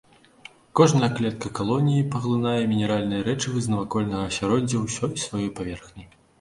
Кожная клетка калоніі паглынае мінеральныя рэчывы з навакольнага асяроддзя ўсёй сваёй паверхняй.